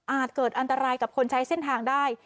เกิดอันตรายกับคนใช้เส้นทางได้